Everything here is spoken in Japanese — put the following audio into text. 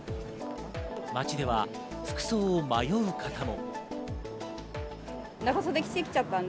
街では服装を迷う方も。